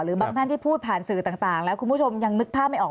บางท่านที่พูดผ่านสื่อต่างแล้วคุณผู้ชมยังนึกภาพไม่ออก